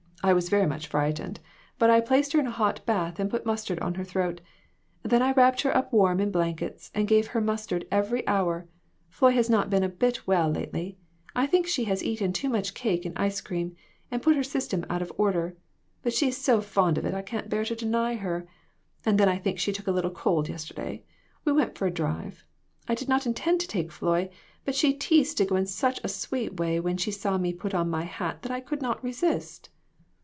I was very much frightened, but I placed her in a hot bath and put mustard on her throat. Then I wrapped her up warm in blankets, and gave her mustard every hour. Floy has not been a bit well lately. I think she has eaten too much cake and ice cream, and put her system out of order, but she is so fond of it I can't bear to deny her. And then I think she took a little cold yesterday. We went for a drive. I did not intend to take Floy, but she teased to go in such a sweet way when she saw me put my hat on that I could not resist."